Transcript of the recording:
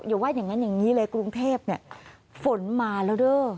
อย่าว่าอย่างนั้นอย่างนี้เลยกรุงเทพเนี่ยฝนมาแล้วเด้อ